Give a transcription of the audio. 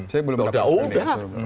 saya belum dapat penelitian